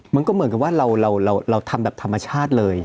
มันก็เหมือนกับว่าเราทำแบบธรรมชาติเลย